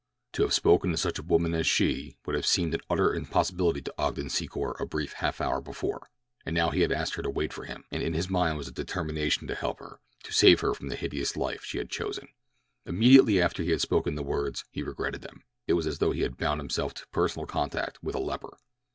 To have spoken to such a woman as she would have seemed an utter impossibility to Ogden Secor a brief half hour before, and now he had asked her to wait for him, and in his mind was a determination to help her—to save her from the hideous life she had chosen. Immediately after he had spoken the words he regretted them. It was as though he had bound himself to personal contact with a leper.